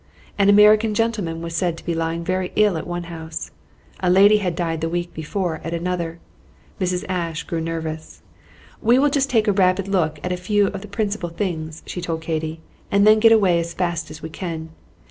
An American gentleman was said to be lying very ill at one house. A lady had died the week before at another. Mrs. Ashe grew nervous. "We will just take a rapid look at a few of the principal things," she told Katy, "and then get away as fast as we can.